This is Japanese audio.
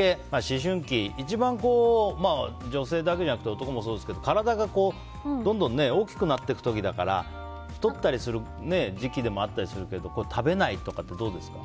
思春期は一番女性だけじゃなくて男もそうですけど体がどんどん大きくなっていく時だから太ったりする時期でもあったりするけど食べないとかってどうですか。